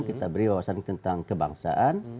kita beri wawasan tentang kebangsaan